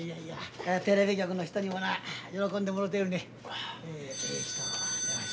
テレビ局の人にもな喜んでもろてるのや。